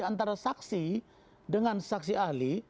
antara saksi dengan saksi ahli